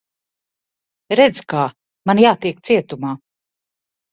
Redz, kā. Man jātiek cietumā.